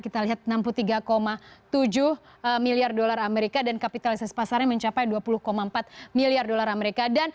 kita lihat enam puluh tiga tujuh miliar dolar amerika dan kapitalisasi pasarnya mencapai dua puluh empat miliar dolar amerika